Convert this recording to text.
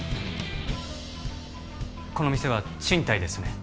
この店は賃貸ですよね？